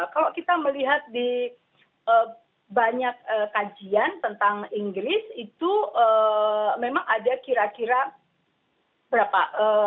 kalau kita melihat di banyak kajian tentang inggris itu memang ada kira kira berapa